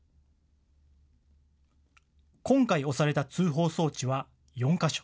今回、押された通報装置は４か所。